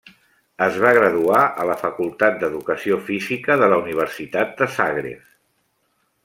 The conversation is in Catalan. Es va graduar a la facultat d'Educació Física de la Universitat de Zagreb.